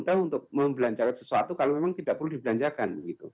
mudah mudahan untuk membelanjakan sesuatu kalau memang tidak perlu dibelanjakan